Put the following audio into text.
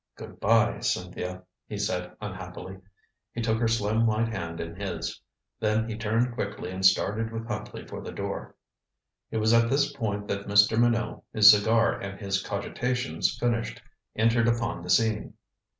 "Good by, Cynthia," he said unhappily. He took her slim white hand in his. Then he turned quickly and started with Huntley for the door. It was at this point that Mr. Minot, his cigar and his cogitations finished, entered upon the scene.